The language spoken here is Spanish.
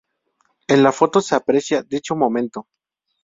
En la foto se aprecia dicho momento.